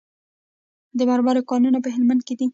د مرمرو کانونه په هلمند کې دي